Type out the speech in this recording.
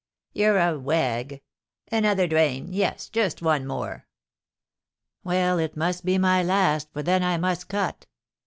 "You're a wag. Another drain, yes, just one more." "Well, it must be my last, for then I must cut.